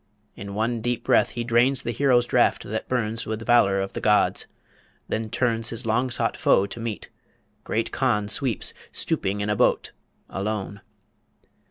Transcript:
In one deep breath He drains the hero's draught that burns With valour of the gods; then turns His long sought foe to meet ... Great Conn Sweeps, stooping in a boat, alone.